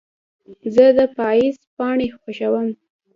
زه د پاییز پاڼې خوښوم.